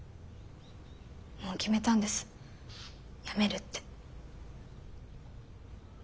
もう決めたんですやめるって。